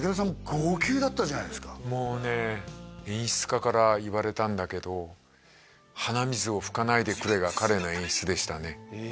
号泣だったじゃないですかもうね演出家から言われたんだけど鼻水を拭かないでくれが彼の演出でしたね